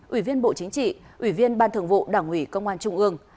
ủy viên bộ chính trị ủy viên ban thường vụ đảng ủy công an trung ương